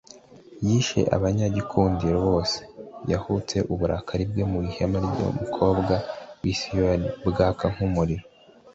Yishe abanyagikundiro bose, Yasutse uburakari bwe mu ihema ry’umukobwa w’i Siyoni, Bwaka nk’umuriro